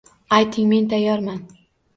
Ayting, Men tayyorman